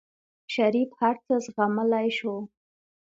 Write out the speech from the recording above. شريف هر څه زغملی شو.